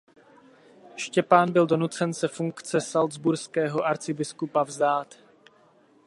Štěpán byl donucen se funkce salcburského arcibiskupa vzdát.